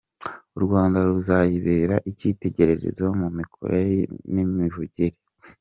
U Rwanda ruzayibera icyitegererezo mu mikorere n’imivugire.